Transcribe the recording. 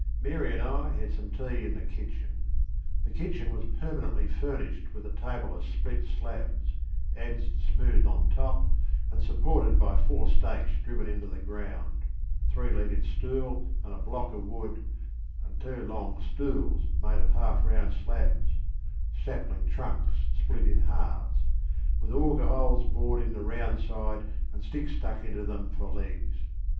Mary and I had some tea in the kitchen. The kitchen was permanently furnished with a table of split slabs, adzed smooth on top, and supported by four stakes driven into the ground, a three legged stool and a block of wood, and two long stools made of half round slabs (sapling trunks split in halves) with auger holes bored in the round side and sticks stuck into them for legs.